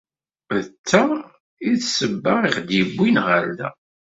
D ta i d ssebba i ɣ-d-yewwin ɣer da.